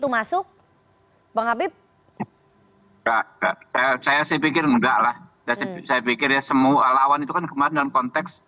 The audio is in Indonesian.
masuk bang habib tak saya pikir mudah lah saya pikir ya semua lawan itu kan kemarin konteks